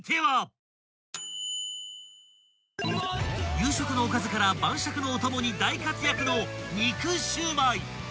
［夕食のおかずから晩酌のお供に大活躍の肉焼売］